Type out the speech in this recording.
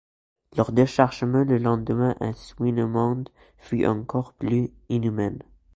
Leur déchargement le lendemain à Swinemunde fut encore plus inhumain.